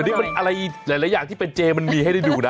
อันนี้มันอะไรหลายอย่างที่เป็นเจมันมีให้ได้ดูนะ